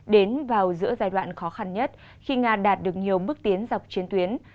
đến vào giữa giai đoạn khó khăn nhất khi nga đạt được nhiều bước tiến dọc chiến tuyến